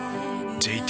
ＪＴ